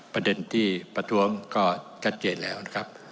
ประเด็นที่ประท้วงก็ชัดเจนแล้วนะครับ